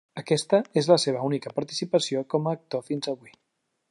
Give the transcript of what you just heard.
Aquesta és la seva única participació com a actor fins avui.